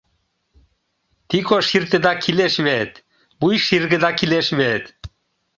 Тико ширтыда килеш вет, вуй ширгыда килеш вет.